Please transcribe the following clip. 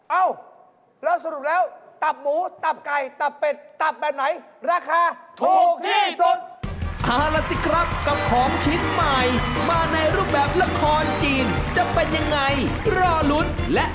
เอ้าแล้วสรุปแล้วตับหมูตับไก่ตับเป็ดตับแบบไหนราคาถูกที่สุด